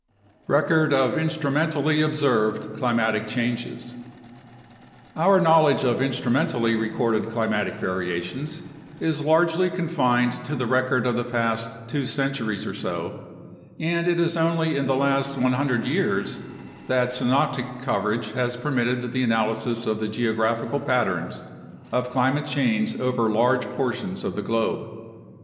RECORD OF INSTRUMENTALLY OBSERVED CLIMATIC CHANGES Our knowledge of instrumentally recorded climatic variations is largely confined to the record of the past two centuries or so, and it is only in the last 100 years that synoptic coverage has permitted the analysis of the geographical patterns of climatic change over large portions of the globe.